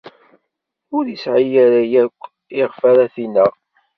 Ur isɛi ara yakk ayen iɣef ara t-ineɣ.